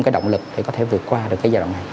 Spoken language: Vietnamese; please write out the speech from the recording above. cái động lực để có thể vượt qua được cái giai đoạn này